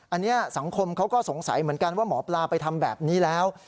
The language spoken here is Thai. อันนี้สังคมเขาก็สงสัยเหมือนกันว่าหมอปลาไปทำแบบนี้แล้ว